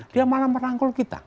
dia malah merangkul kita